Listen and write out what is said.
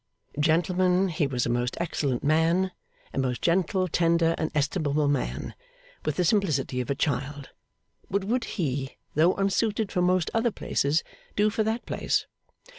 Gentlemen, he was a most excellent man, a most gentle, tender, and estimable man, with the simplicity of a child; but would he, though unsuited for most other places, do for that place?